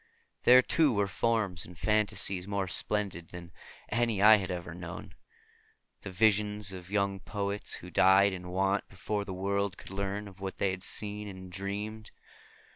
There too were forms and fantasies more splendid than any I had ever known; the visions of young poets who died in want before the world could learn of what they had seen and dreamed.